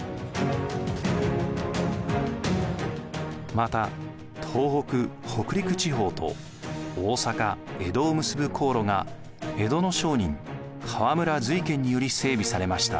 また東北北陸地方と大坂江戸を結ぶ航路が江戸の商人河村瑞賢により整備されました。